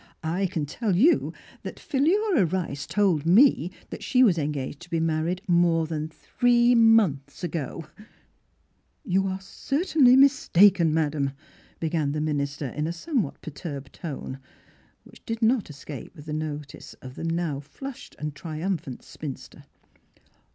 I can tell you that Philura Rice told 7ne that she was engaged to be married more than three months ago !"" You are certainly mistaken, madam," began the minister 76 Miss Philitra in a somewhat perturbed tone, which did not escape the notice of the now flushed and triumphant spinster.